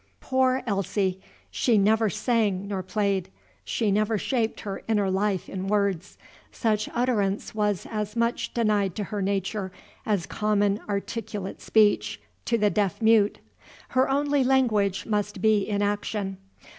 Poor Elsie! She never sang nor played. She never shaped her inner life in words: such utterance was as much denied to her nature as common articulate speech to the deaf mute. Her only language must be in action.